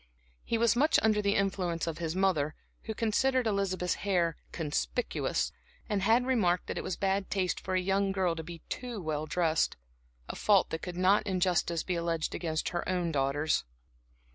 He was much under the influence of his mother, who considered Elizabeth's hair "conspicuous" and had remarked that it was bad taste for a young girl to be too well dressed a fault that could not in justice be alleged against her own daughters.